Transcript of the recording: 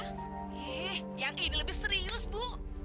eh yang ini lebih serius bu